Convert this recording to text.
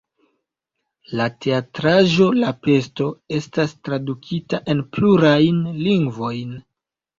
La teatraĵo "La Pesto" estas tradukita en plurajn lingvojn.